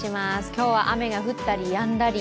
今日は雨が降ったりやんだり。